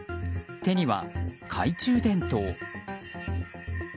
手には懐中電灯。